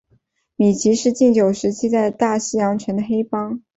米奇是禁酒时期在大西洋城的黑帮。